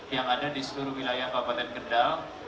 yang ada di seluruh wilayah kabupaten kendal